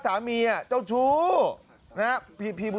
การนอนไม่จำเป็นต้องมีอะไรกัน